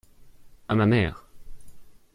À ma mère.